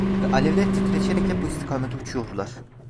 Ve alevler titreşerek hep bu istikamete uçuyorlar.